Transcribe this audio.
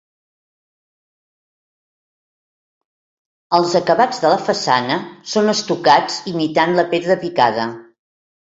Els acabats de la façana són estucats imitant la pedra picada.